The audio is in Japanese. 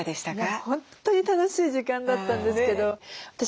もう本当に楽しい時間だったんですけど私